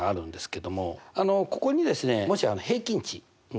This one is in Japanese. あのここにですねもし平均値ね。